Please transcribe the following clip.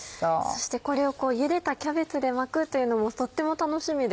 そしてゆでたキャベツで巻くというのもとっても楽しみです。